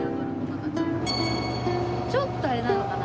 ちょっとあれなのかな？